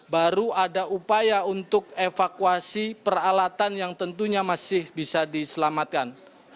baru ada upaya untuk evakuasi peralatan yang tentunya masih bisa diselamatkan